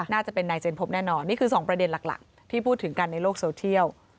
น่าจะเป็นนายเจนพบแน่นอนนี่คือ๒ประเด็นหลักที่พูดถึงกันในโลกโซเทียล